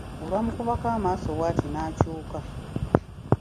Olwamukubako amaaso bw'ati n'akyuka.